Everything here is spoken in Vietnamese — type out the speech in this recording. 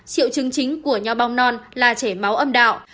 triệu chứng chính của nho bông non là chảy máu âm đạo